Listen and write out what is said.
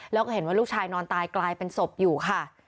แล้วก็เห็นว่าลูกชายนอนตายกลายเป็นศพอยู่ค่ะ